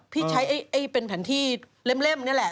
พี่ใช้เป็นแผนที่เล่มนี่แหละ